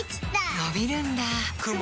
のびるんだ